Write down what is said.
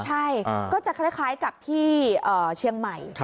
ใช่ก็จะคล้ายกับที่เชียงใหม่